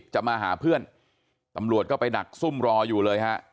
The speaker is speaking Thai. จะมาหาเพื่อนตำรวจก็ไปดักซุ่มรออยู่เลยฮะ